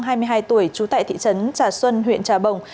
đoàn thanh quang hai mươi hai tuổi trú tại thị trấn trà xuân huyện trà bồng